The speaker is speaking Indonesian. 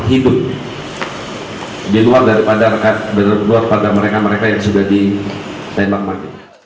ikut di luar daripada mereka mereka yang sudah ditembak mati